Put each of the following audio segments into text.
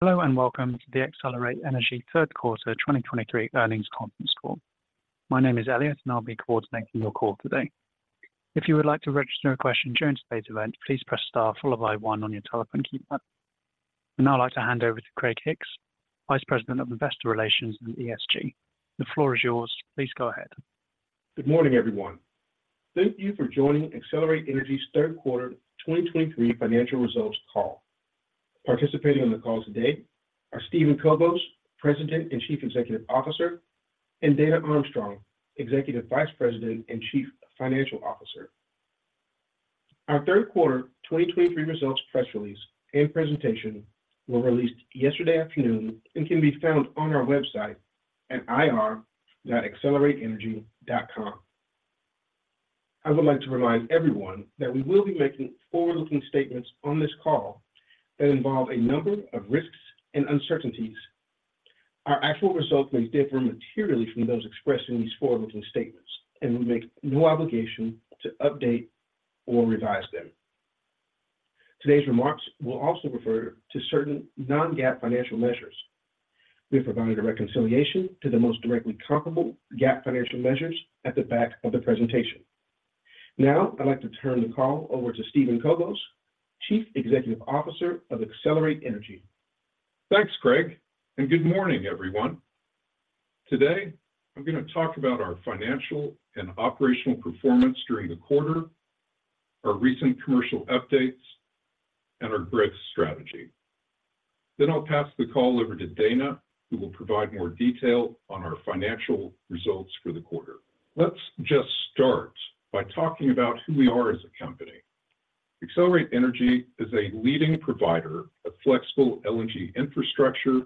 Hello, and welcome to the Excelerate Energy Third Quarter 2023 Earnings Conference Call. My name is Elliot, and I'll be coordinating your call today. If you would like to register a question during today's event, please press star followed by one on your telephone keypad. I'd like to hand over to Craig Hicks, Vice President of Investor Relations and ESG. The floor is yours. Please go ahead. Good morning, everyone. Thank you for joining Excelerate Energy's third quarter 2023 financial results call. Participating on the call today are Steven Kobos, President and Chief Executive Officer, and Dana Armstrong, Executive Vice President and Chief Financial Officer. Our third quarter 2023 results press release and presentation were released yesterday afternoon and can be found on our website at ir.excelerateenergy.com. I would like to remind everyone that we will be making forward-looking statements on this call that involve a number of risks and uncertainties. Our actual results may differ materially from those expressed in these forward-looking statements, and we make no obligation to update or revise them. Today's remarks will also refer to certain non-GAAP financial measures. We have provided a reconciliation to the most directly comparable GAAP financial measures at the back of the presentation. Now, I'd like to turn the call over to Steven Kobos, Chief Executive Officer of Excelerate Energy. Thanks, Craig, and good morning, everyone. Today, I'm gonna talk about our financial and operational performance during the quarter, our recent commercial updates, and our growth strategy. Then I'll pass the call over to Dana, who will provide more detail on our financial results for the quarter. Let's just start by talking about who we are as a company. Excelerate Energy is a leading provider of flexible LNG infrastructure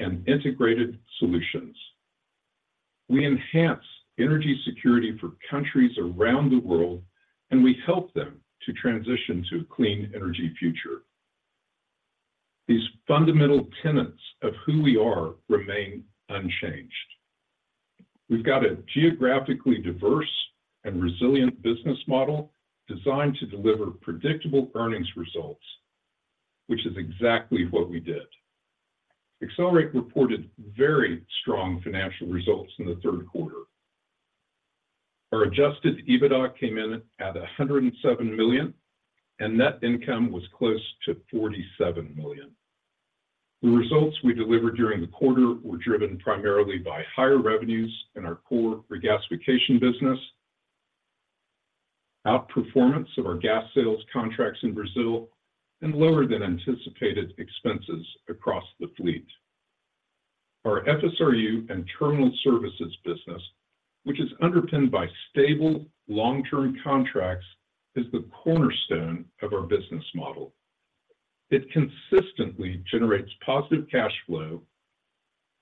and integrated solutions. We enhance energy security for countries around the world, and we help them to transition to a clean energy future. These fundamental tenets of who we are remain unchanged. We've got a geographically diverse and resilient business model designed to deliver predictable earnings results, which is exactly what we did. Excelerate reported very strong financial results in the third quarter. Our adjusted EBITDA came in at $107 million, and net income was close to $47 million. The results we delivered during the quarter were driven primarily by higher revenues in our core regasification business, outperformance of our gas sales contracts in Brazil, and lower than anticipated expenses across the fleet. Our FSRU and terminal services business, which is underpinned by stable, long-term contracts, is the cornerstone of our business model. It consistently generates positive cash flow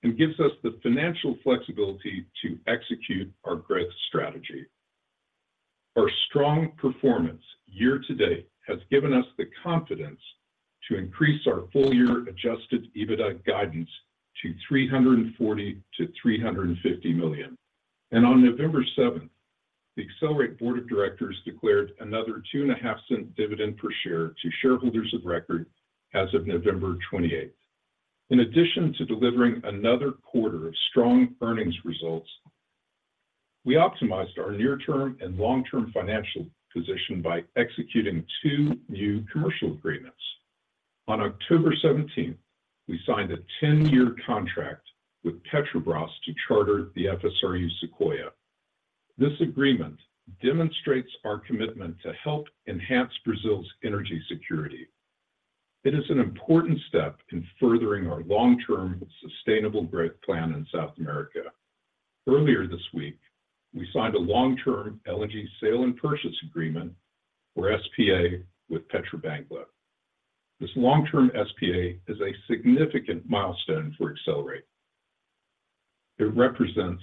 and gives us the financial flexibility to execute our growth strategy. Our strong performance year to date has given us the confidence to increase our full-year adjusted EBITDA guidance to $340 million-$350 million. On November 7th, the Excelerate Board of Directors declared another $0.025 dividend per share to shareholders of record as of November 28. In addition to delivering another quarter of strong earnings results, we optimized our near-term and long-term financial position by executing two new commercial agreements. On October 17th, we signed a 10-year contract with Petrobras to charter the FSRU Sequoia. This agreement demonstrates our commitment to help enhance Brazil's energy security. It is an important step in furthering our long-term sustainable growth plan in South America. Earlier this week, we signed a long-term LNG sale and purchase agreement, or SPA, with Petrobangla. This long-term SPA is a significant milestone for Excelerate. It represents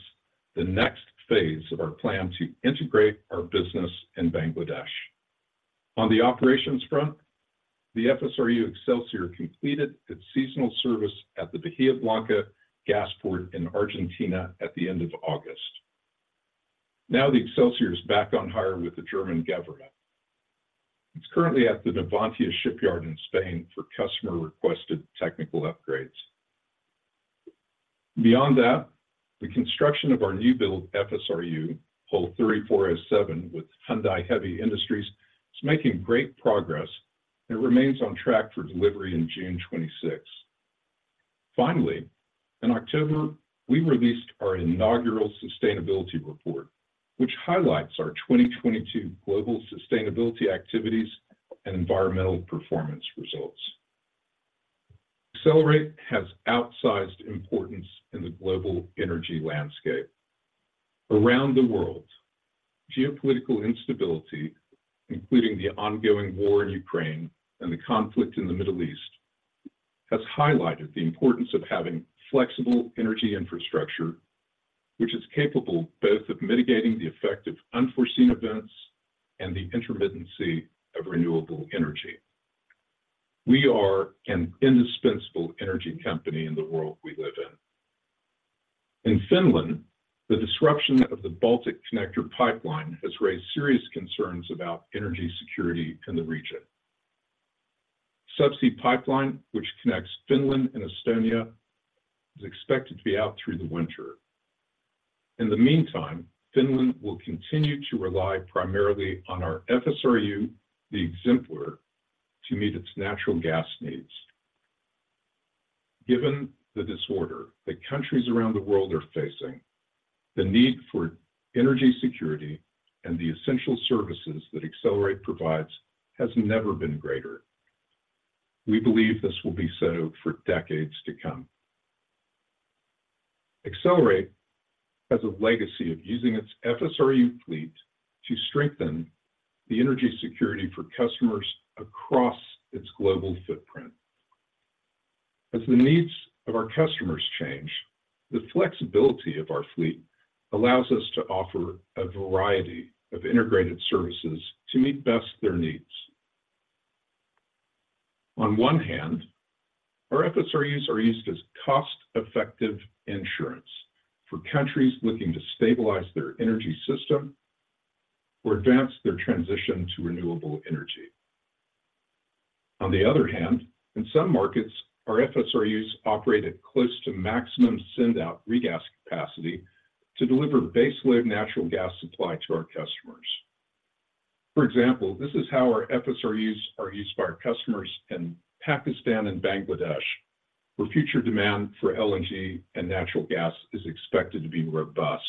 the next phase of our plan to integrate our business in Bangladesh. On the operations front, the FSRU Excelsior completed its seasonal service at the Bahia Blanca gas port in Argentina at the end of August. Now, the Excelsior is back on hire with the German government. It's currently at the Navantia Shipyard in Spain for customer-requested technical upgrades. Beyond that, the construction of our new build FSRU, Hull 3277 with Hyundai Heavy Industries, is making great progress and remains on track for delivery in June 2026. Finally, in October, we released our inaugural sustainability report, which highlights our 2022 global sustainability activities and environmental performance results. Excelerate has outsized importance in the global energy landscape. Around the world, geopolitical instability, including the ongoing war in Ukraine and the conflict in the Middle East, has highlighted the importance of having flexible energy infrastructure, which is capable both of mitigating the effect of unforeseen events and the intermittency of renewable energy. We are an indispensable energy company in the world we live in. In Finland, the disruption of the Balticconnector pipeline has raised serious concerns about energy security in the region. Subsea pipeline, which connects Finland and Estonia, is expected to be out through the winter. In the meantime, Finland will continue to rely primarily on our FSRU Exemplar to meet its natural gas needs. Given the disorder that countries around the world are facing, the need for energy security and the essential services that Excelerate provides has never been greater. We believe this will be set out for decades to come. Excelerate has a legacy of using its FSRU fleet to strengthen the energy security for customers across its global footprint. As the needs of our customers change, the flexibility of our fleet allows us to offer a variety of integrated services to meet best their needs. On one hand, our FSRUs are used as cost-effective insurance for countries looking to stabilize their energy system or advance their transition to renewable energy. On the other hand, in some markets, our FSRUs operate at close to maximum send-out regas capacity to deliver baseload natural gas supply to our customers. For example, this is how our FSRUs are used by our customers in Pakistan and Bangladesh, where future demand for LNG and natural gas is expected to be robust.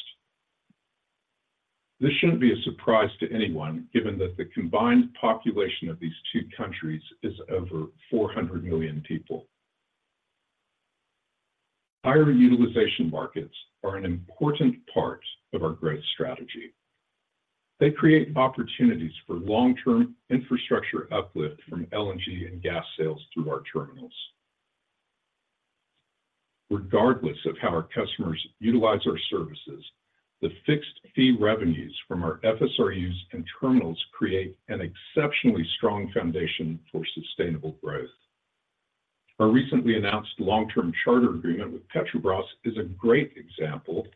This shouldn't be a surprise to anyone, given that the combined population of these two countries is over 400 million people. Higher utilization markets are an important part of our growth strategy. They create opportunities for long-term infrastructure uplift from LNG and gas sales through our terminals. Regardless of how our customers utilize our services, the fixed-fee revenues from our FSRUs and terminals create an exceptionally strong foundation for sustainable growth. Our recently announced long-term charter agreement with Petrobras is a great example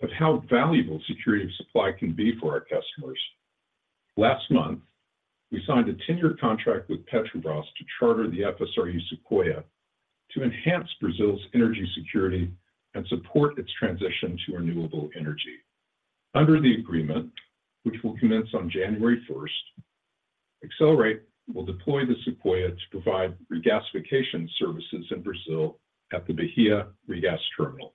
of how valuable security of supply can be for our customers. Last month, we signed a 10-year contract with Petrobras to charter the FSRU Sequoia to enhance Brazil's energy security and support its transition to renewable energy. Under the agreement, which will commence on January first, Excelerate will deploy the Sequoia to provide regasification services in Brazil at the Bahia Regas terminal.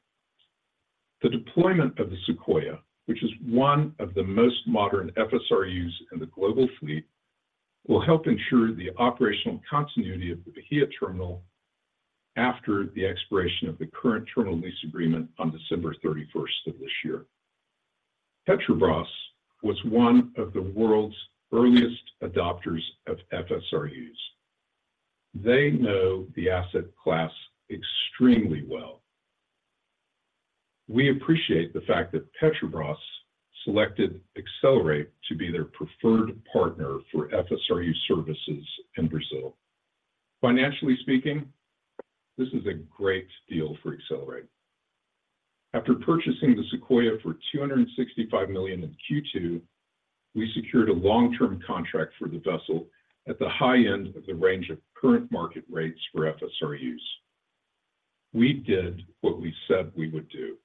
The deployment of the Sequoia, which is one of the most modern FSRUs in the global fleet, will help ensure the operational continuity of the Bahia terminal after the expiration of the current terminal lease agreement on December thirty-first of this year. Petrobras was one of the world's earliest adopters of FSRUs. They know the asset class extremely well. We appreciate the fact that Petrobras selected Excelerate to be their preferred partner for FSRU services in Brazil. Financially speaking, this is a great deal for Excelerate. After purchasing the Sequoia for $265 million in Q2, we secured a long-term contract for the vessel at the high end of the range of current market rates for FSRUs. We did what we said we would do.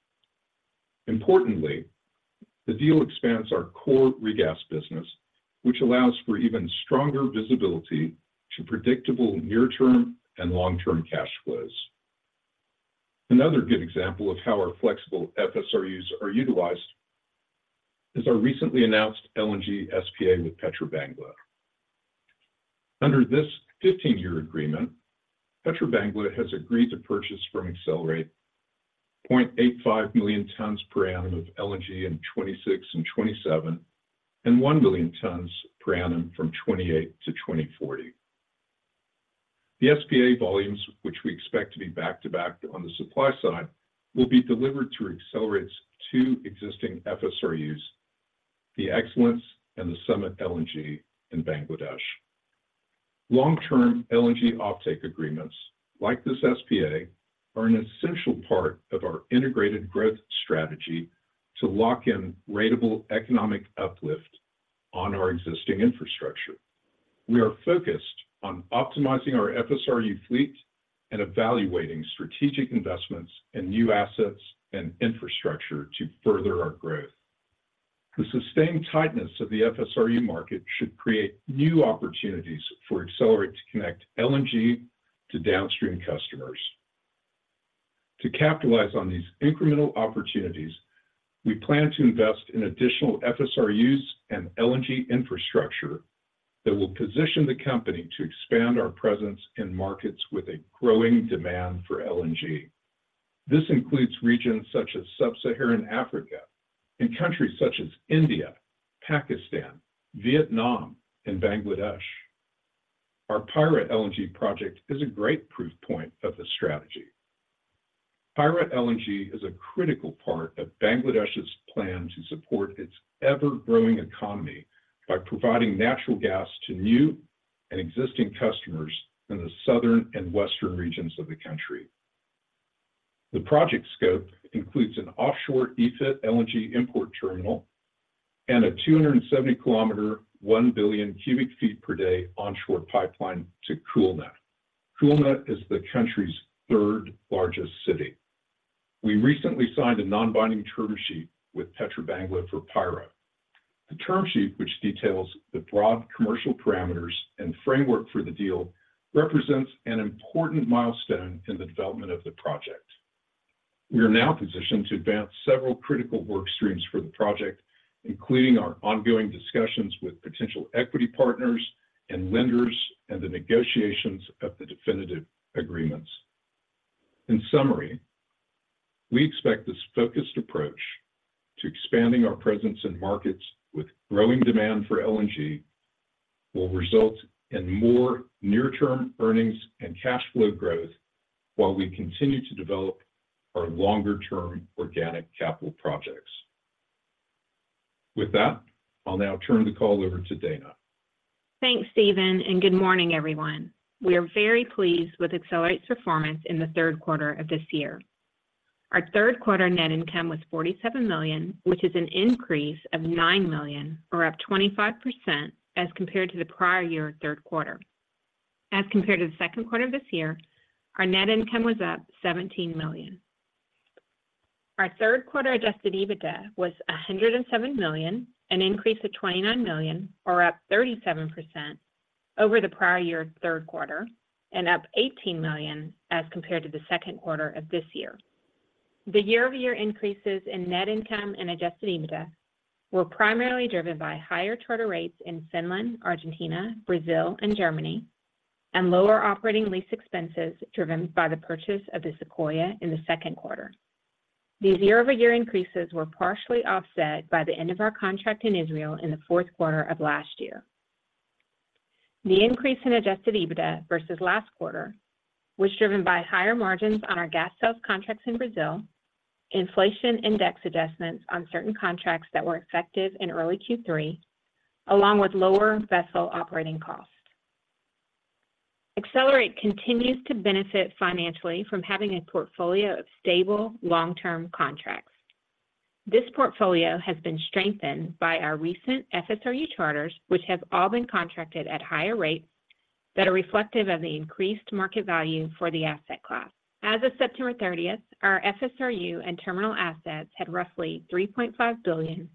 Importantly, the deal expands our core regas business, which allows for even stronger visibility to predictable near-term and long-term cash flows. Another good example of how our flexible FSRUs are utilized is our recently announced LNG SPA with Petrobangla. Under this 15-year agreement, Petrobangla has agreed to purchase from Excelerate 0.85 million tons per annum of LNG in 2026 and 2027, and 1 million tons per annum from 2028 to 2040. The SPA volumes, which we expect to be back-to-back on the supply side, will be delivered through Excelerate's two existing FSRUs, the Excellence and the Summit LNG in Bangladesh. Long-term LNG offtake agreements like this SPA are an essential part of our integrated growth strategy to lock in ratable economic uplift on our existing infrastructure. We are focused on optimizing our FSRU fleet and evaluating strategic investments in new assets and infrastructure to further our growth. The sustained tightness of the FSRU market should create new opportunities for Excelerate to connect LNG to downstream customers. To capitalize on these incremental opportunities, we plan to invest in additional FSRUs and LNG infrastructure that will position the company to expand our presence in markets with a growing demand for LNG. This includes regions such as Sub-Saharan Africa and countries such as India, Pakistan, Vietnam, and Bangladesh. Our Payra LNG project is a great proof point of this strategy. Payra LNG is a critical part of Bangladesh's plan to support its ever-growing economy by providing natural gas to new. And existing customers in the southern and western regions of the country. The project scope includes an offshore FSRU LNG import terminal and a 270-kilometer, 1 billion cubic feet per day onshore pipeline to Khulna. Khulna is the country's third-largest city. We recently signed a non-binding term sheet with Petrobangla for Payra. The term sheet, which details the broad commercial parameters and framework for the deal, represents an important milestone in the development of the project. We are now positioned to advance several critical work streams for the project, including our ongoing discussions with potential equity partners and lenders, and the negotiations of the definitive agreements. In summary, we expect this focused approach to expanding our presence in markets with growing demand for LNG will result in more near-term earnings and cash flow growth while we continue to develop our longer-term organic capital projects. With that, I'll now turn the call over to Dana. Thanks, Steven, and good morning, everyone. We are very pleased with Excelerate's performance in the third quarter of this year. Our third quarter net income was $47 million, which is an increase of $9 million, or up 25% as compared to the prior year third quarter. As compared to the second quarter of this year, our net income was up $17 million. Our third quarter adjusted EBITDA was $107 million, an increase of $29 million, or up 37% over the prior year third quarter, and up $18 million as compared to the second quarter of this year. The year-over-year increases in net income and adjusted EBITDA were primarily driven by higher charter rates in Finland, Argentina, Brazil, and Germany, and lower operating lease expenses driven by the purchase of the Sequoia in the second quarter. These year-over-year increases were partially offset by the end of our contract in Israel in the fourth quarter of last year. The increase in adjusted EBITDA versus last quarter was driven by higher margins on our gas sales contracts in Brazil, inflation index adjustments on certain contracts that were effective in early Q3, along with lower vessel operating costs. Excelerate continues to benefit financially from having a portfolio of stable, long-term contracts. This portfolio has been strengthened by our recent FSRU charters, which have all been contracted at higher rates that are reflective of the increased market value for the asset class. As of September 30th, our FSRU and terminal assets had roughly $3.5 billion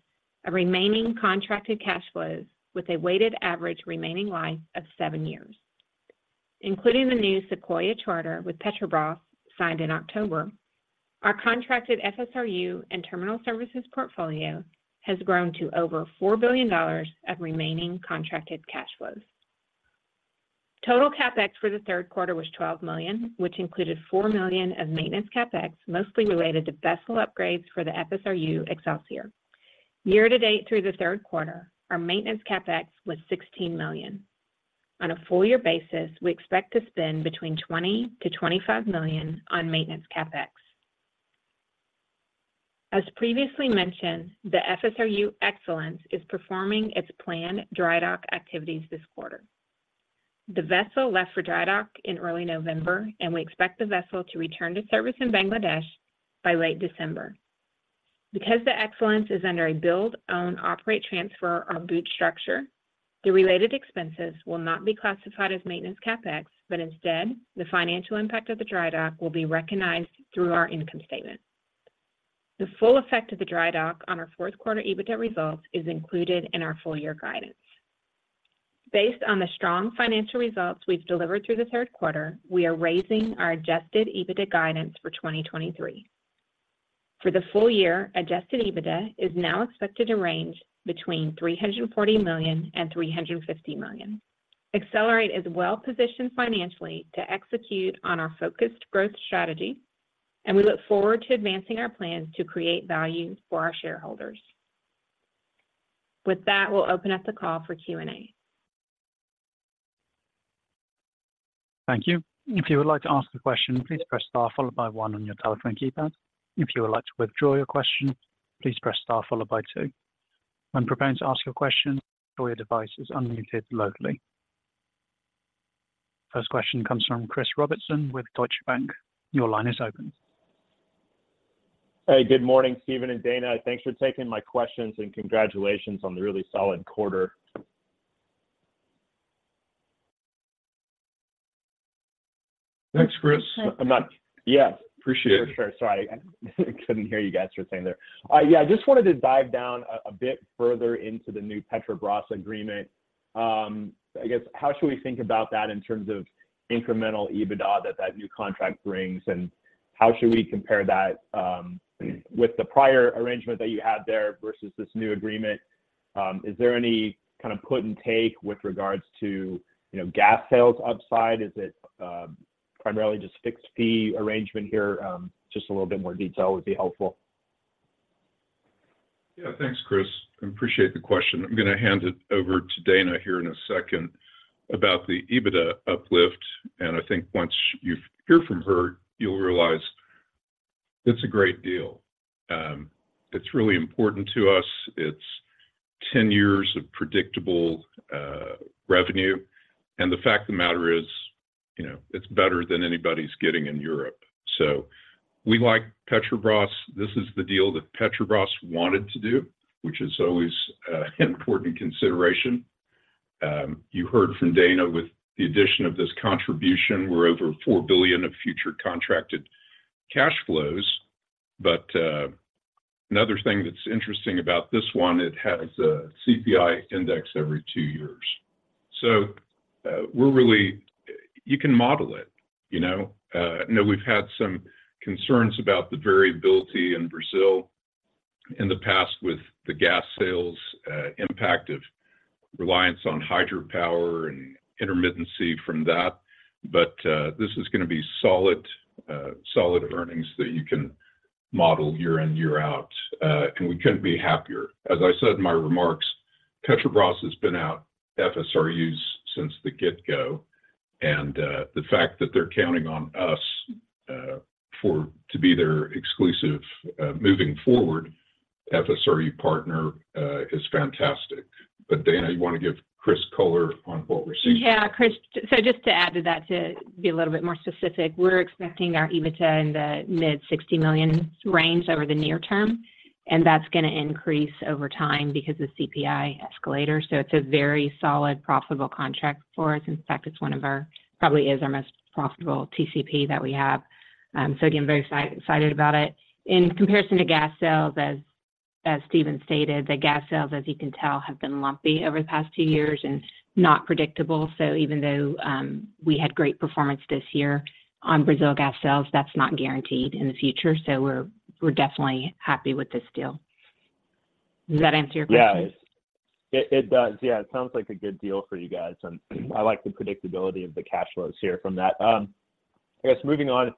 of remaining contracted cash flows, with a weighted average remaining life of seven years. Including the new Sequoia charter with Petrobras, signed in October, our contracted FSRU and terminal services portfolio has grown to over $4 billion of remaining contracted cash flows. Total CapEx for the third quarter was $12 million, which included $4 million of maintenance CapEx, mostly related to vessel upgrades for the FSRU Excelsior. Year to date through the third quarter, our maintenance CapEx was $16 million. On a full year basis, we expect to spend between $20-$25 million on maintenance CapEx. As previously mentioned, the FSRU Excellence is performing its planned dry dock activities this quarter. The vessel left for dry dock in early November, and we expect the vessel to return to service in Bangladesh by late December. Because the Excellence is under a build, own, operate, transfer, or BOOT structure, the related expenses will not be classified as maintenance CapEx, but instead, the financial impact of the dry dock will be recognized through our income statement. The full effect of the dry dock on our fourth quarter EBITDA results is included in our full year guidance. Based on the strong financial results we've delivered through the third quarter, we are raising our Adjusted EBITDA guidance for 2023. For the full year, adjusted EBITDA is now expected to range between $340 million and $350 million. Excelerate is well positioned financially to execute on our focused growth strategy, and we look forward to advancing our plans to create value for our shareholders. With that, we'll open up the call for Q&A. Thank you. If you would like to ask a question, please press star followed by one on your telephone keypad. If you would like to withdraw your question, please press star followed by two. When preparing to ask your question, ensure your device is unmuted locally. First question comes from Chris Robertson with Deutsche Bank. Your line is open. Hey, good morning, Steven and Dana. Thanks for taking my questions, and congratulations on the really solid quarter. Thanks, Chris. I'm not... Yes. Appreciate it. For sure. Sorry, I couldn't hear you guys were saying there. Yeah, I just wanted to dive down a bit further into the new Petrobras agreement. I guess how should we think about that in terms of incremental EBITDA that new contract brings, and how should we compare that with the prior arrangement that you had there versus this new agreement? Is there any kind of put and take with regards to, you know, gas sales upside? Is it primarily just fixed fee arrangement here? Just a little bit more detail would be helpful. Yeah. Thanks, Chris. I appreciate the question. I'm going to hand it over to Dana here in a second about the EBITDA uplift, and I think once you hear from her, you'll realize. It's a great deal. It's really important to us. It's 10 years of predictable revenue, and the fact of the matter is, you know, it's better than anybody's getting in Europe. So we like Petrobras. This is the deal that Petrobras wanted to do, which is always an important consideration. You heard from Dana, with the addition of this contribution, we're over $4 billion of future contracted cash flows. But another thing that's interesting about this one, it has a CPI index every two years. So, we're really, you can model it, you know. I know we've had some concerns about the variability in Brazil in the past with the gas sales, impact of reliance on hydropower and intermittency from that, but this is gonna be solid, solid earnings that you can model year in, year out, and we couldn't be happier. As I said in my remarks, Petrobras has been out FSRUs since the get-go, and the fact that they're counting on us for to be their exclusive, moving forward FSRU partner is fantastic. But Dana, you want to give Chris color on what we're seeing? Yeah, Chris, so just to add to that, to be a little bit more specific, we're expecting our EBITDA in the mid-$60 million range over the near term, and that's gonna increase over time because of CPI escalator. So it's a very solid, profitable contract for us. In fact, it's one of our—probably is our most profitable TCP that we have. So again, very excited about it. In comparison to gas sales, as Steven stated, the gas sales, as you can tell, have been lumpy over the past two years and not predictable. So even though we had great performance this year on Brazil gas sales, that's not guaranteed in the future. So we're definitely happy with this deal. Does that answer your question? Yeah, it does. Yeah, it sounds like a good deal for you guys, and I like the predictability of the cash flows here from that. I guess moving on,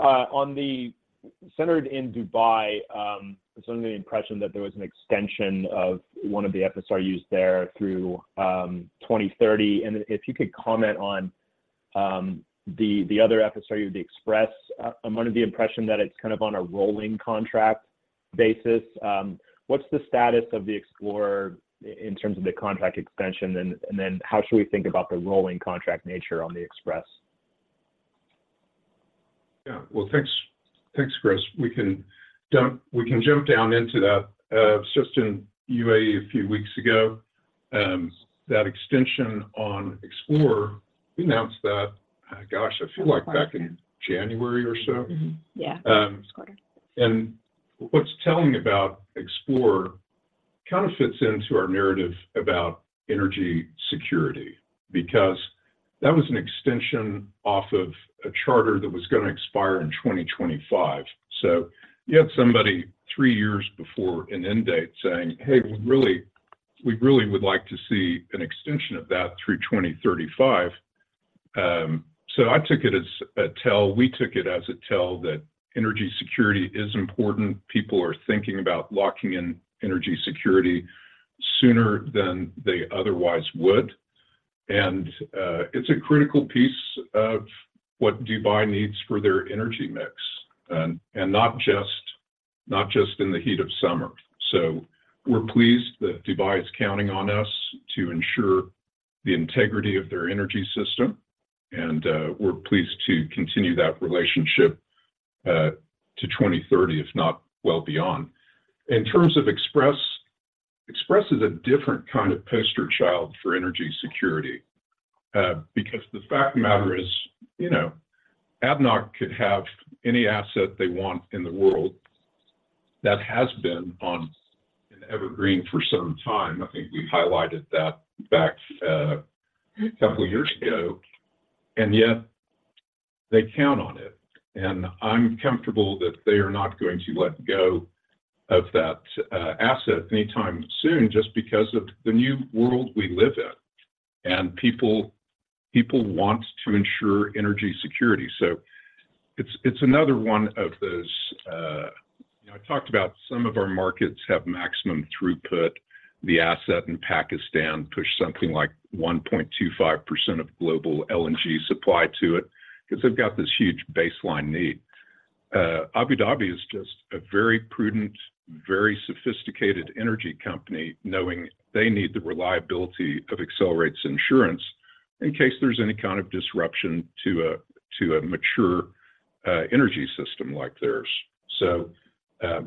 on the one centered in Dubai, I was under the impression that there was an extension of one of the FSRUs there through 2030. And if you could comment on the other FSRU, the Express. I'm under the impression that it's kind of on a rolling contract basis. What's the status of the Explorer in terms of the contract extension and then how should we think about the rolling contract nature on the Express? Yeah. Well, thanks. Thanks, Chris. We can jump down into that. I was just in UAE a few weeks ago, that extension on Explorer, we announced that, gosh, I feel like back in January or so. Mm-hmm. Yeah, this quarter. And what's telling about Explorer kind of fits into our narrative about energy security, because that was an extension off of a charter that was gonna expire in 2025. So you had somebody three years before an end date saying, "Hey, we really-- we really would like to see an extension of that through 2035." So I took it as a tell-- we took it as a tell that energy security is important. People are thinking about locking in energy security sooner than they otherwise would. And it's a critical piece of what Dubai needs for their energy mix, and, and not just, not just in the heat of summer. So we're pleased that Dubai is counting on us to ensure the integrity of their energy system, and we're pleased to continue that relationship to 2030, if not well beyond. In terms of Express, Express is a different kind of poster child for energy security. Because the fact of the matter is, you know, ADNOC could have any asset they want in the world that has been on an evergreen for some time. I think we highlighted that back a couple of years ago, and yet they count on it. And I'm comfortable that they are not going to let go of that asset anytime soon, just because of the new world we live in. And people, people want to ensure energy security. So it's another one of those. You know, I talked about some of our markets have maximum throughput. The asset in Pakistan pushed something like 1.25% of global LNG supply to it because they've got this huge baseline need. Abu Dhabi is just a very prudent, very sophisticated energy company, knowing they need the reliability of Excelerate's insurance in case there's any kind of disruption to a mature energy system like theirs. So,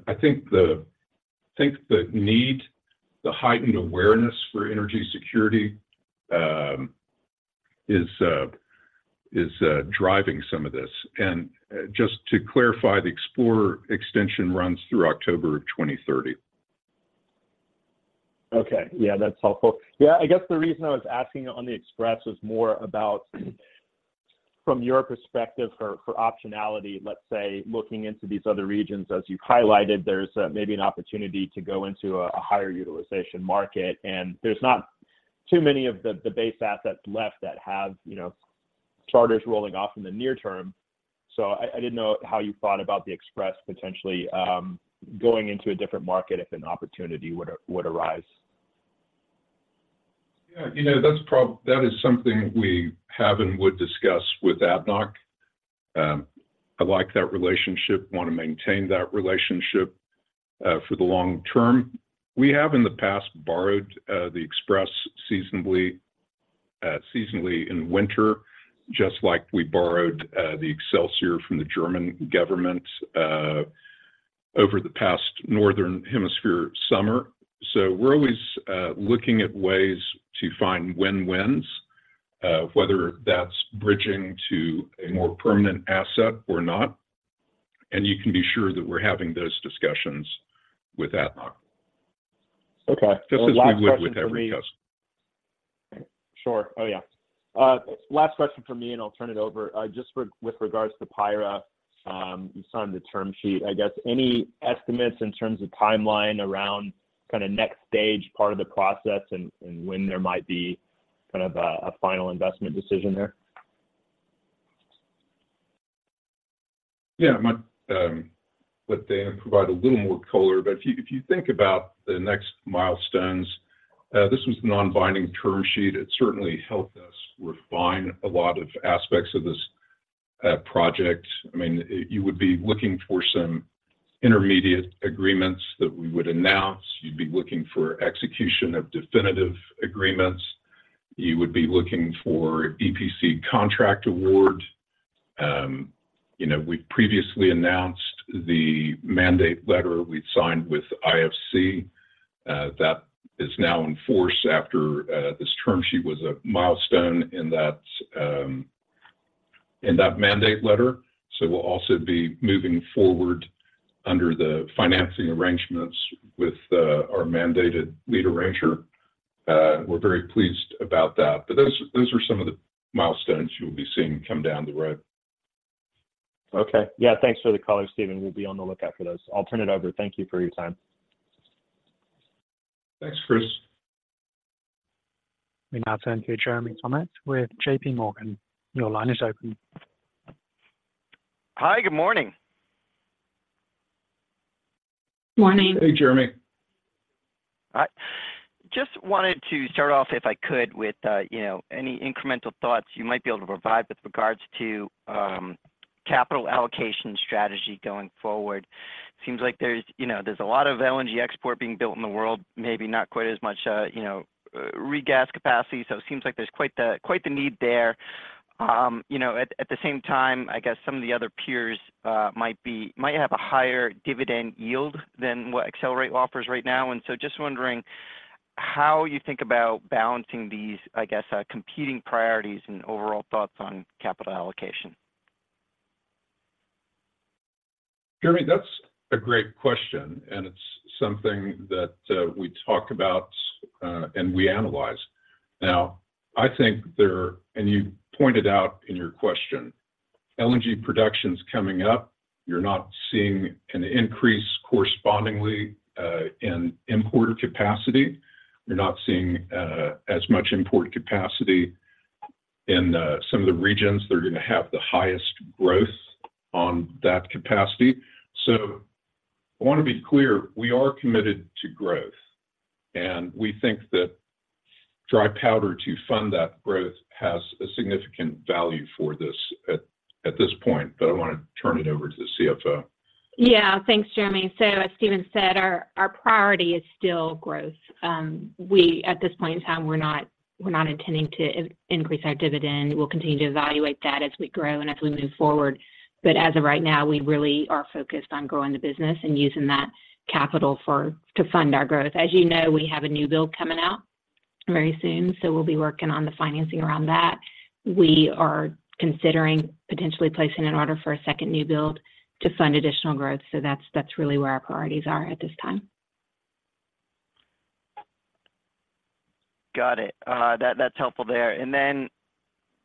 I think the need, the heightened awareness for energy security, is driving some of this. Just to clarify, the Explorer extension runs through October of 2030. Okay. Yeah, that's helpful. Yeah, I guess the reason I was asking you on the Express was more about, from your perspective for, for optionality. Let's say, looking into these other regions, as you've highlighted, there's maybe an opportunity to go into a higher utilization market, and there's not too many of the base assets left that have, you know, charters rolling off in the near term. So I didn't know how you thought about the Express potentially going into a different market if an opportunity would arise? Yeah, you know, that is something we have and would discuss with ADNOC. I like that relationship, wanna maintain that relationship, for the long term. We have in the past borrowed the Express seasonally, seasonally in winter, just like we borrowed the Excelsior from the German government over the past Northern Hemisphere summer. So we're always looking at ways to find win-wins, whether that's bridging to a more permanent asset or not, and you can be sure that we're having those discussions with ADNOC. Okay, one last question for me- Just as we would with every customer. Sure. Oh, yeah. Last question from me, and I'll turn it over. Just with regards to Payra, you signed the term sheet. I guess any estimates in terms of timeline around next stage, part of the process and when there might be kind of a final investment decision there? Yeah. Let Dan provide a little more color, but if you think about the next milestones, this was non-binding term sheet. It certainly helped us refine a lot of aspects of this project. I mean, you would be looking for some intermediate agreements that we would announce. You'd be looking for execution of definitive agreements. You would be looking for EPC contract award. You know, we've previously announced the mandate letter we'd signed with IFC, that is now in force after this term sheet was a milestone in that mandate letter. So we'll also be moving forward under the financing arrangements with our mandated lead arranger. We're very pleased about that, but those are some of the milestones you'll be seeing come down the road. Okay. Yeah, thanks for the color, Steven. We'll be on the lookout for those. I'll turn it over. Thank you for your time. Thanks, Chris. We now turn to Jeremy Tonet with J.P. Morgan. Your line is open. Hi, good morning. Morning. Hey, Jeremy. I just wanted to start off, if I could, with you know, any incremental thoughts you might be able to provide with regards to capital allocation strategy going forward. Seems like there's, you know, there's a lot of LNG export being built in the world, maybe not quite as much, you know, regas capacity, so it seems like there's quite the need there. You know, at the same time, I guess some of the other peers might have a higher dividend yield than what Excelerate offers right now. And so just wondering how you think about balancing these, I guess, competing priorities and overall thoughts on capital allocation? Jeremy, that's a great question, and it's something that we talk about and we analyze. Now, I think. And you pointed out in your question, LNG production's coming up. You're not seeing an increase correspondingly in import capacity. You're not seeing as much import capacity in some of the regions that are gonna have the highest growth on that capacity. So I wanna be clear, we are committed to growth, and we think that dry powder to fund that growth has a significant value for this at this point. But I wanna turn it over to the CFO. Yeah. Thanks, Jeremy. So as Steven said, our priority is still growth. We, at this point in time, we're not intending to increase our dividend. We'll continue to evaluate that as we grow and as we move forward. But as of right now, we really are focused on growing the business and using that capital to fund our growth. As you know, we have a new build coming out very soon, so we'll be working on the financing around that. We are considering potentially placing an order for a second new build to fund additional growth. So that's really where our priorities are at this time. Got it. That's helpful there. Then,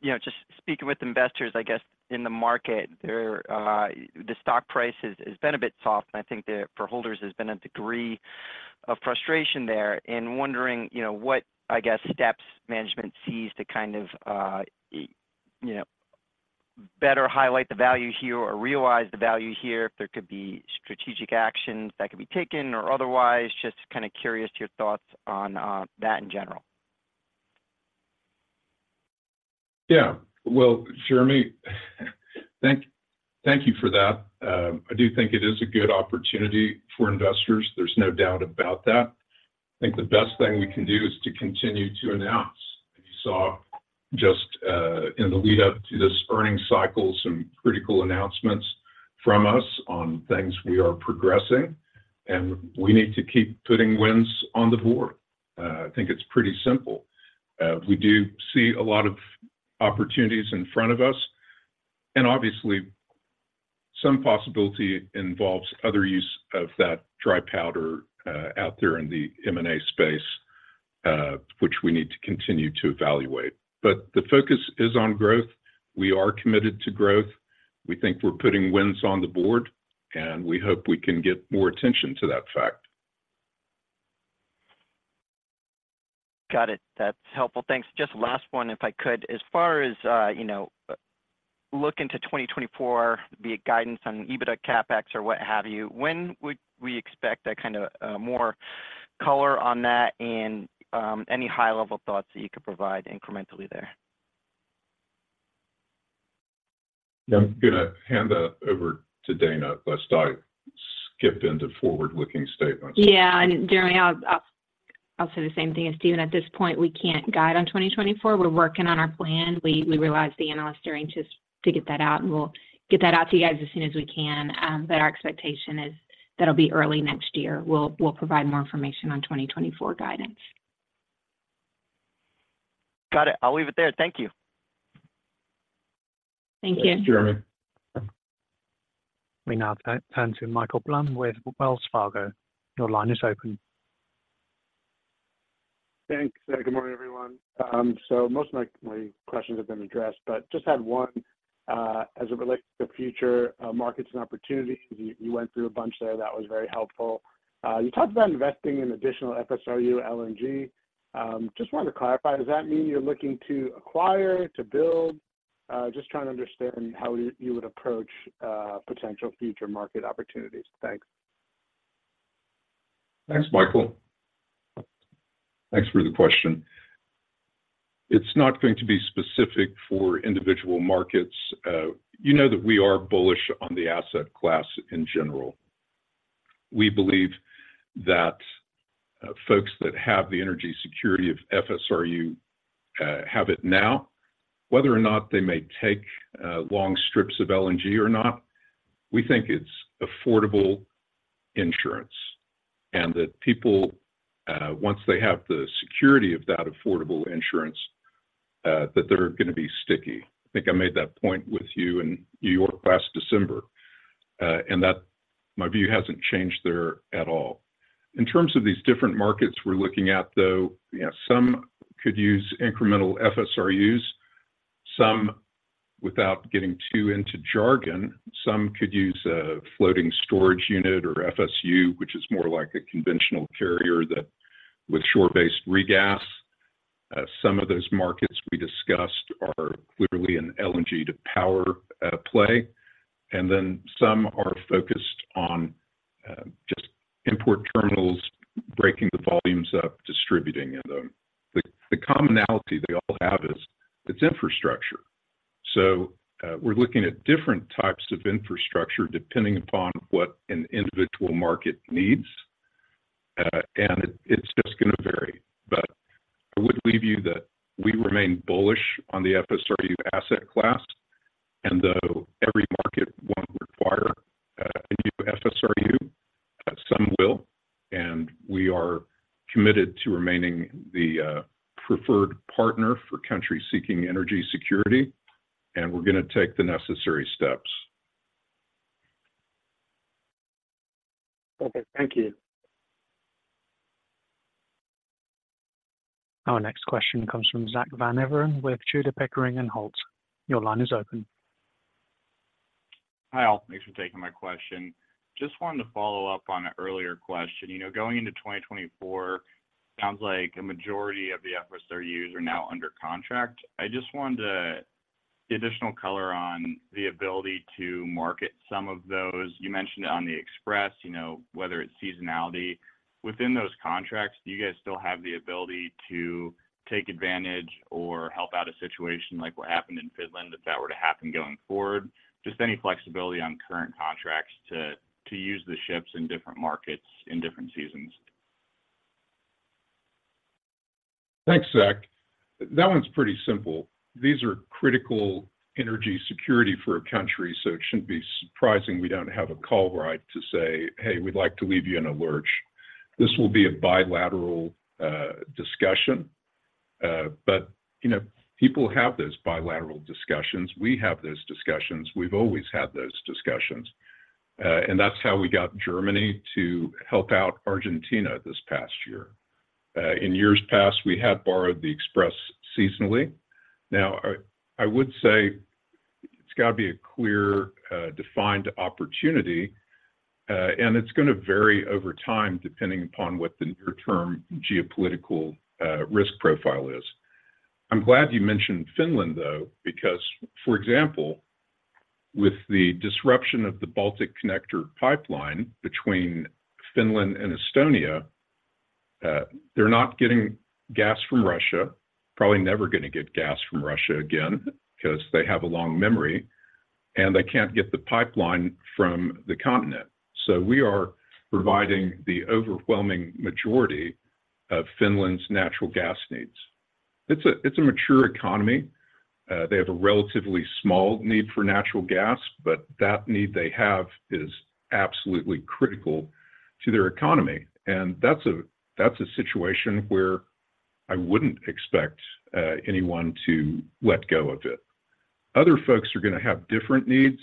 you know, just speaking with investors, I guess, in the market, there, the stock price has been a bit soft, and I think there, for holders, there's been a degree of frustration there. Wondering, you know, what, I guess, steps management sees to kind of, you know, better highlight the value here or realize the value here, if there could be strategic actions that could be taken or otherwise, just kinda curious to your thoughts on that in general. Yeah. Well, Jeremy, thank, thank you for that. I do think it is a good opportunity for investors. There's no doubt about that. I think the best thing we can do is to continue to announce. You saw just in the lead-up to this earning cycle, some critical announcements from us on things we are progressing, and we need to keep putting wins on the board. I think it's pretty simple. We do see a lot of opportunities in front of us, and obviously, some possibility involves other use of that dry powder out there in the M&A space, which we need to continue to evaluate. But the focus is on growth. We are committed to growth. We think we're putting wins on the board, and we hope we can get more attention to that fact. Got it. That's helpful. Thanks. Just last one, if I could. As far as, you know, look into 2024, be it guidance on EBITDA CapEx or what have you, when would we expect that kind of more color on that and any high-level thoughts that you could provide incrementally there? I'm gonna hand that over to Dana, lest I skip into forward-looking statements. Yeah, and Jeremy, I'll say the same thing as Steven. At this point, we can't guide on 2024. We're working on our plan. We realize the analysts are anxious to get that out, and we'll get that out to you guys as soon as we can. But our expectation is that'll be early next year. We'll provide more information on 2024 guidance. Got it. I'll leave it there. Thank you. Thank you. Thanks, Jeremy. We now turn to Michael Blum with Wells Fargo. Your line is open. Thanks. Good morning, everyone. So most of my questions have been addressed, but just had one as it relates to future markets and opportunities. You went through a bunch there that was very helpful. You talked about investing in additional FSRU LNG. Just wanted to clarify, does that mean you're looking to acquire, to build? Just trying to understand how you would approach potential future market opportunities. Thanks. Thanks, Michael. Thanks for the question. It's not going to be specific for individual markets. You know that we are bullish on the asset class in general. We believe that folks that have the energy security of FSRU have it now. Whether or not they may take long strips of LNG or not, we think it's affordable insurance and that people, once they have the security of that affordable insurance, that they're gonna be sticky. I think I made that point with you in New York last December, and that my view hasn't changed there at all. In terms of these different markets we're looking at, though, yeah, some could use incremental FSRUs, some without getting too into jargon, some could use a floating storage unit or FSU, which is more like a conventional carrier that with shore-based regas. Some of those markets we discussed are clearly an LNG to Power play, and then some are focused on just import terminals, breaking the volumes up, distributing them. The commonality they all have is, it's infrastructure. So, we're looking at different types of infrastructure, depending upon what an individual market needs, and it's just gonna vary. But I would leave you that we remain bullish on the FSRU asset class, and though every market won't require a new FSRU, some will, and we are committed to remaining the preferred partner for countries seeking energy security, and we're gonna take the necessary steps. Okay. Thank you. Our next question comes from Zach Van Everen with Tudor, Pickering, Holt & Co. Your line is open. Hi, all. Thanks for taking my question. Just wanted to follow up on an earlier question. You know, going into 2024, sounds like a majority of the FSRUs are now under contract. I just wanted the additional color on the ability to market some of those. You mentioned it on the Express, you know, whether it's seasonality. Within those contracts, do you guys still have the ability to take advantage or help out a situation like what happened in Finland, if that were to happen going forward? Just any flexibility on current contracts to use the ships in different markets in different seasons. Thanks, Zach. That one's pretty simple. These are critical energy security for a country, so it shouldn't be surprising we don't have a call right to say, "Hey, we'd like to leave you in a lurch." This will be a bilateral discussion, but, you know, people have those bilateral discussions. We have those discussions, we've always had those discussions, and that's how we got Germany to help out Argentina this past year. In years past, we had borrowed the Express seasonally. Now, I would say it's got to be a clear defined opportunity, and it's gonna vary over time, depending upon what the near-term geopolitical risk profile is. I'm glad you mentioned Finland, though, because, for example, with the disruption of the Balticconnector pipeline between Finland and Estonia, they're not getting gas from Russia. Probably never gonna get gas from Russia again, 'cause they have a long memory, and they can't get the pipeline from the continent. So we are providing the overwhelming majority of Finland's natural gas needs. It's a mature economy. They have a relatively small need for natural gas, but that need they have is absolutely critical to their economy, and that's a situation where I wouldn't expect anyone to let go of it. Other folks are gonna have different needs.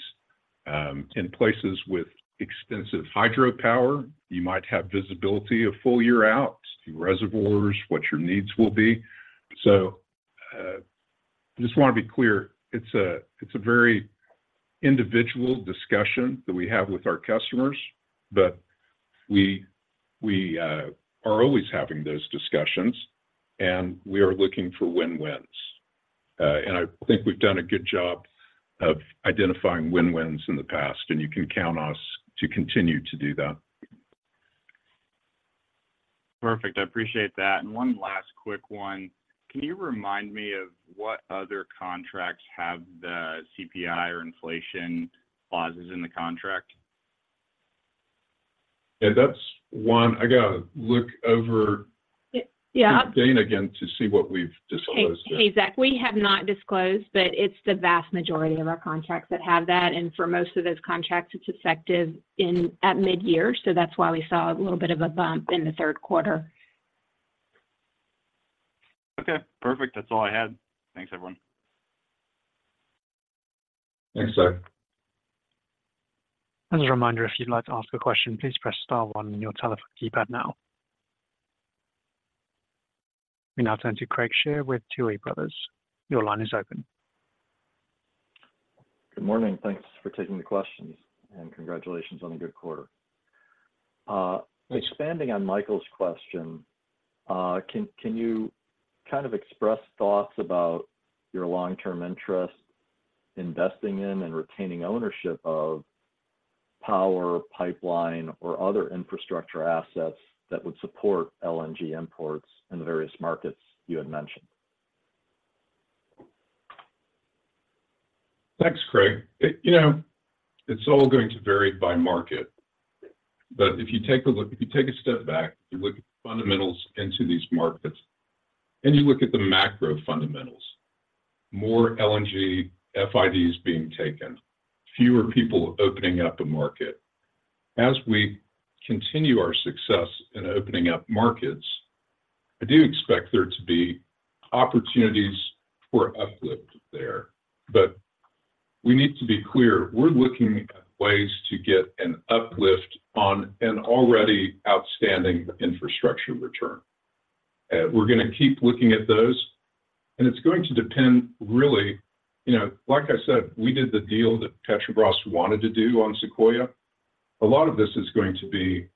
In places with extensive hydropower, you might have visibility a full year out, reservoirs, what your needs will be. So I just want to be clear, it's a very individual discussion that we have with our customers, but we are always having those discussions, and we are looking for win-wins. I think we've done a good job of identifying win-wins in the past, and you can count us to continue to do that. Perfect. I appreciate that. And one last quick one. Can you remind me of what other contracts have the CPI or inflation clauses in the contract? Yeah, that's one. I got to look over. Y- yeah. To Dana again to see what we've disclosed here. Hey, Zach, we have not disclosed, but it's the vast majority of our contracts that have that, and for most of those contracts, it's effective at midyear. So that's why we saw a little bit of a bump in the third quarter. Okay, perfect. That's all I had. Thanks, everyone. Thanks, sir. As a reminder, if you'd like to ask a question, please press star one on your telephone keypad now. We now turn to Craig Shere with Tuohy Brothers. Your line is open. Good morning. Thanks for taking the questions, and congratulations on a good quarter. Thank you. Expanding on Michael's question, can you kind of express thoughts about your long-term interest investing in and retaining ownership of power, pipeline, or other infrastructure assets that would support LNG imports in the various markets you had mentioned? Thanks, Craig. You know, it's all going to vary by market. But if you take a step back and look at the fundamentals into these markets, and you look at the macro fundamentals, more LNG FID is being taken, fewer people opening up the market. As we continue our success in opening up markets, I do expect there to be opportunities for uplift there. But we need to be clear, we're looking at ways to get an uplift on an already outstanding infrastructure return. We're going to keep looking at those, and it's going to depend, really you know, like I said, we did the deal that Petrobras wanted to do on Sequoia. A lot of this is going to be,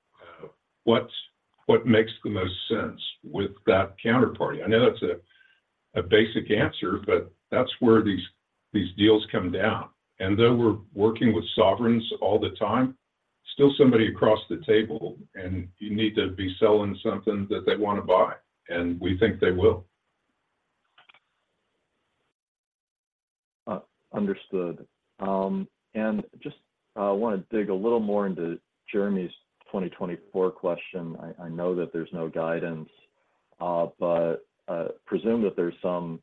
what makes the most sense with that counterparty. I know that's a basic answer, but that's where these deals come down. And though we're working with sovereigns all the time, still somebody across the table, and you need to be selling something that they want to buy, and we think they will. Understood. And just, I want to dig a little more into Jeremy's 2024 question. I know that there's no guidance, but presume that there's some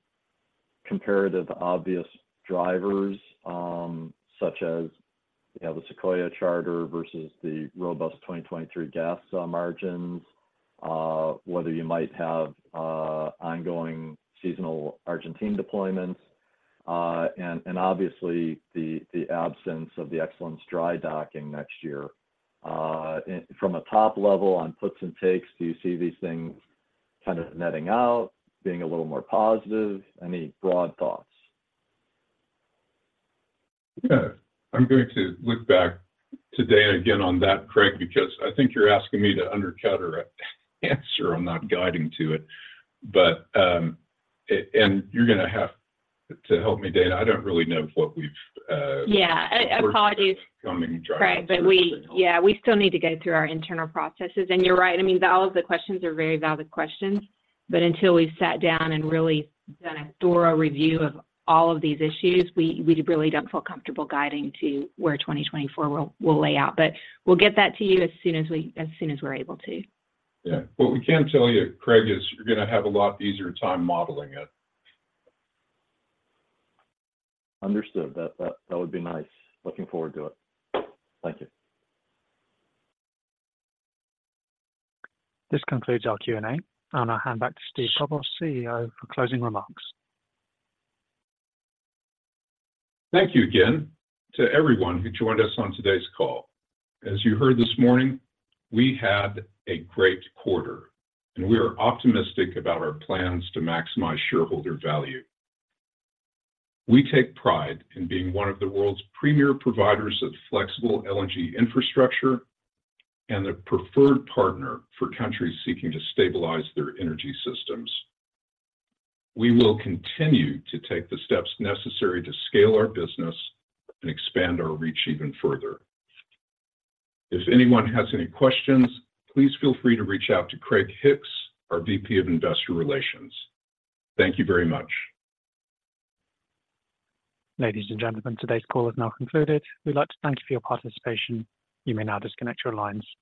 comparative obvious drivers, such as you have the Sequoia charter versus the robust 2023 gas margins, whether you might have ongoing seasonal Argentine deployments, and obviously, the absence of the Excellence dry docking next year. And from a top level on puts and takes, do you see these things kind of netting out, being a little more positive? Any broad thoughts? Yeah. I'm going to look back to Dana again on that, Craig, because I think you're asking me to undercut her answer. I'm not guiding to it, but, and you're going to have to help me, Dana. I don't really know what we've Yeah, apologies. Coming to drive. Craig, but we... Yeah, we still need to go through our internal processes. And you're right, I mean, all of the questions are very valid questions, but until we've sat down and really done a thorough review of all of these issues, we, we really don't feel comfortable guiding to where 2024 will, will lay out. But we'll get that to you as soon as we, as soon as we're able. Yeah. What we can tell you, Craig, is you're going to have a lot easier time modeling it. Understood. That would be nice. Looking forward to it. Thank you. This concludes our Q&A. I'll now hand back to Steven Kobos, CEO, for closing remarks. Thank you again to everyone who joined us on today's call. As you heard this morning, we had a great quarter, and we are optimistic about our plans to maximize shareholder value. We take pride in being one of the world's premier providers of flexible LNG infrastructure and the preferred partner for countries seeking to stabilize their energy systems. We will continue to take the steps necessary to scale our business and expand our reach even further. If anyone has any questions, please feel free to reach out to Craig Hicks, our VP of Investor Relations. Thank you very much. Ladies and gentlemen, today's call is now concluded. We'd like to thank you for your participation. You may now disconnect your lines.